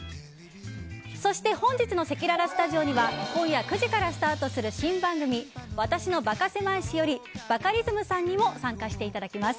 そして本日のせきららスタジオには今夜９時からスタートする新番組「私のバカせまい史」よりバカリズムさんにも参加していただきます。